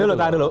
oke tahan dulu